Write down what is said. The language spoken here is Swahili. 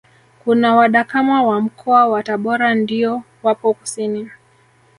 Kuna wadakama wa Mkoa wa Tabora ndio wapo kusini